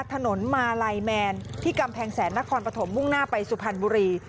ถนนมาลัยแมนที่กำแพงแสนนครปฐมมุ่งหน้าไปสุพรรณบุรี